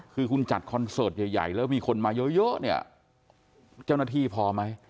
คือคุณจัดคอนเสิร์ตใหญ่แล้วมีคนมาเยอะเนี่ยเจ้าหน้าที่พอไหม